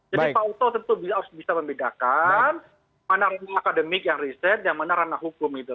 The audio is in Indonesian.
jadi pengoto tentu bisa membedakan mana akademik yang riset dan mana ranah hukum